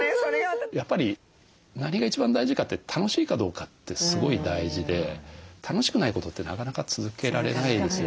やっぱり何が一番大事かって楽しいかどうかってすごい大事で楽しくないことってなかなか続けられないですよね。